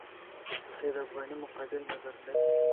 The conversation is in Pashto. د سید افغاني مقابل نظر لري.